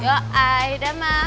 yow aih udah ma